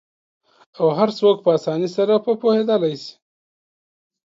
او هرڅوک په آسانۍ سره په پوهیدالی سي